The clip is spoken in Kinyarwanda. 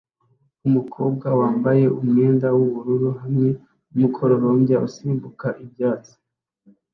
Umukobwa wambaye umwenda w'ubururu hamwe n'umukororombya usimbuka ibyatsi